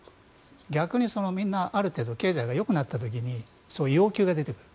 逆にみんなある程度経済がよくなった時にそういう要求が出てくる。